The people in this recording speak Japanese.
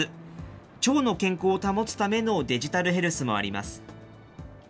腸の健康を保つためのデジタルヘルスもあります。